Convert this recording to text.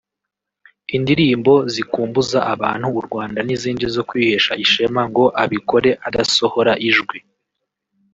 indirimbo zikumbuza abantu u Rwanda n’izindi zo kwihesha ishema ngo abikore adasohora ijwi